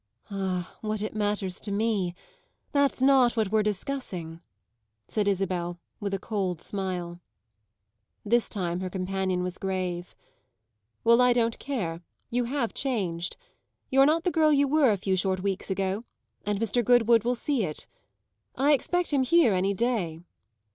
"Ah, what it matters to me that's not what we're discussing," said Isabel with a cold smile. This time her companion was grave. "Well, I don't care; you have changed. You're not the girl you were a few short weeks ago, and Mr. Goodwood will see it. I expect him here any day."